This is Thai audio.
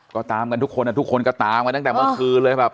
ก็ตามกันทุกคนทุกคนก็ตามมาตั้งแต่เมื่อคืนเลยแบบ